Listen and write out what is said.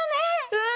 うん！